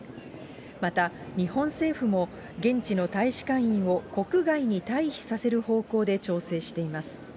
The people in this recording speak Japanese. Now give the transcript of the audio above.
また、日本政府も、現地の大使館員を国外に退避させる方向で調整しています。